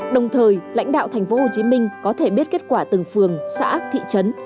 đồng thời lãnh đạo tp hcm có thể biết kết quả từng phường xã thị trấn